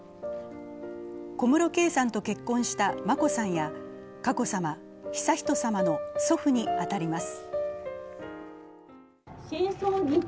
小室圭さんと結婚した眞子さんや佳子さま、悠仁さまの祖父に当たります。